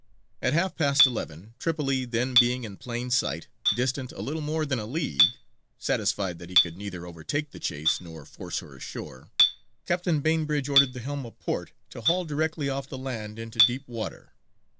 At half past eleven, Tripoli then being in plain sight, distant a little more than a league, (satisfied that he could neither overtake the chase nor force her ashore,) Captain Bainbridge ordered the helm a port to haul directly off the land into deep water.